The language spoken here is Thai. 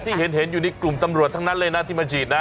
ที่เห็นอยู่ในกลุ่มตำรวจทั้งนั้นเลยนะที่มาฉีดนะ